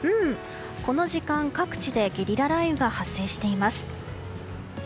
この時間、各地でゲリラ雷雨が発生しています。